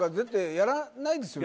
やんないですよ